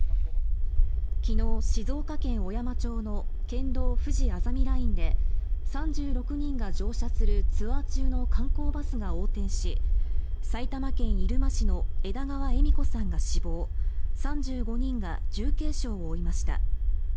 昨日、静岡県小山町の県道ふじあざみラインで３６人が乗車するツアー中の観光バスが横転し埼玉県入間市の枝川恵美子さんが死亡３５人が重軽傷を負いました。